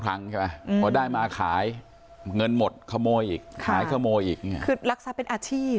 ใช่ไหมอืมมันได้มาขายเงินหมดขโมยอีกขายขโมยอีกคือรักษาเป็นอาชีพ